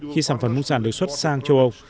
khi sản phẩm nông sản được xuất sang châu âu